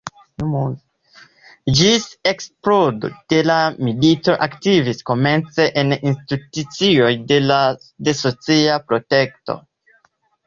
Ĝis eksplodo de la milito aktivis komence en institucioj de socia protekto.